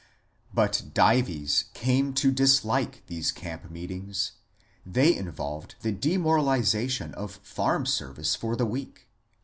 But Dives came to dislike these camp meetings ; they in volved the demoralization of farm service for the week.